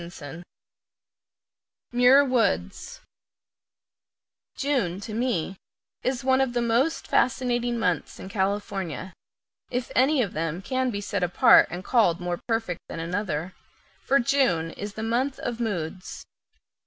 Muir Woods June, to me, is one of the most fascinating months in California if any of them can be set apart and called more perfect than another for June is a month of moods.